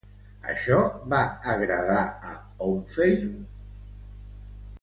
Això va agradar a Òmfale?